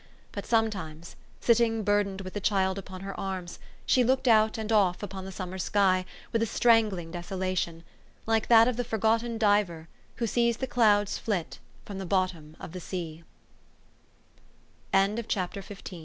But sometimes, sitting bur dened w r ith the child upon her arms, she looked out and off upon the summer sky with a strangling deso lation like that of the forgotten diver, who sees the clouds flit, from the bottom of the sea. THE STOKY OF AVIS.